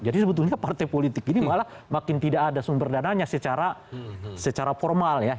jadi sebetulnya partai politik ini malah makin tidak ada sumber dananya secara formal ya